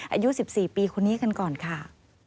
อายุ๑๔ปีคนนี้กันก่อนค่ะ